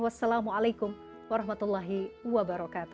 wassalamualaikum warahmatullahi wabarakatuh